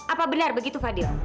apa benar begitu fadil